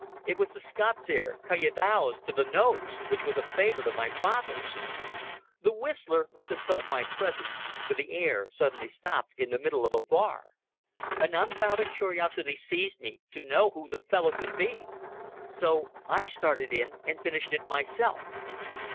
It was the Scots air: "Ca' the yowes to the knowes," which was a favourite of my father's. The whistler must have felt my presence, for the air suddenly stopped in the middle of a bar. An unbounded curiosity seized me to know who the fellow could be. So I started in and finished it myself.